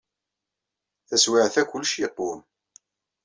Taswiɛt-a, kullec yeqwem.